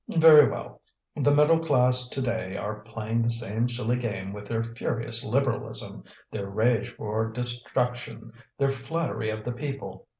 Very well! the middle class to day are playing the same silly game with their furious Liberalism, their rage for destruction, their flattery of the people.